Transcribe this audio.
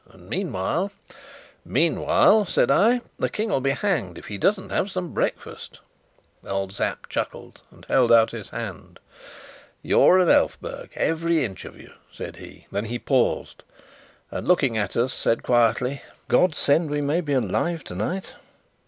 And meanwhile " "Meanwhile," said I, "the King'll be hanged if he doesn't have some breakfast." Old Sapt chuckled, and held out his hand. "You're an Elphberg, every inch of you," said he. Then he paused, and looking at us, said quietly, "God send we may be alive tonight!"